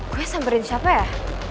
gue samperin siapa ya